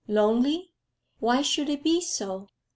Lonely? why should it be so?